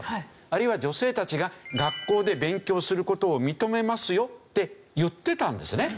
あるいは女性たちが学校で勉強する事を認めますよって言ってたんですね